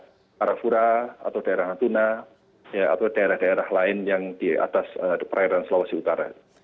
daerah arafura atau daerah natuna atau daerah daerah lain yang di atas perairan sulawesi utara